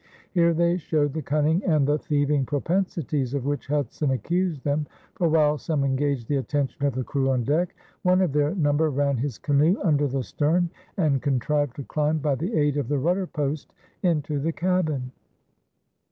Here they showed the cunning and the thieving propensities of which Hudson accused them, for while some engaged the attention of the crew on deck, one of their number ran his canoe under the stern and contrived to climb by the aid of the rudder post into the cabin.